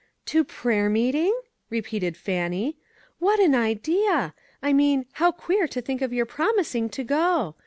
"To prayer meeting?" repeated Fannie. "What an idea ! I mean, how queer to think of your promising to go.